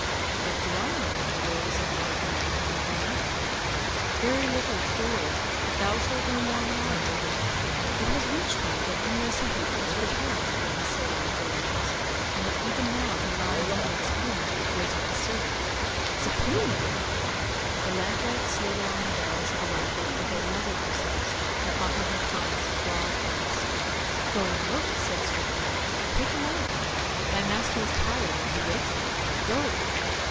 'What do I know of the ways of the white man. Heaven born?' 'Very little, truly. But thou shalt know more anon. It has reached me that Imray Sahib has returned from his so long journeyings, and that even now he lies in the next room, waiting his servant.' 'Sahib!' The lamplight slid along the barrels of the rifle as they levelled themselves at Bahadur Khan's broad breast. 'Go and look!' said Strickland. 'Take a lamp. Thy master is tired, and he waits thee. Go!